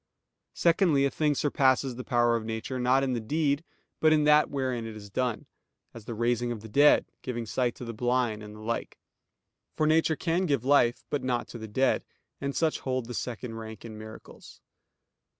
Secondly, a thing surpasses the power of nature, not in the deed, but in that wherein it is done; as the raising of the dead, and giving sight to the blind, and the like; for nature can give life, but not to the dead; and such hold the second rank in miracles.